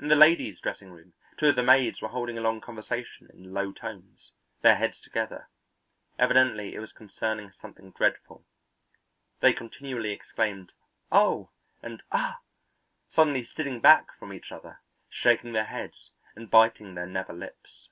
In the ladies' dressing room two of the maids were holding a long conversation in low tones, their heads together; evidently it was concerning something dreadful. They continually exclaimed "Oh!" and "Ah!" suddenly sitting back from each other, shaking their heads, and biting their nether lips.